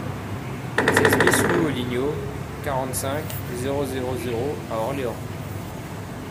seize BIS rue aux Ligneaux, quarante-cinq, zéro zéro zéro à Orléans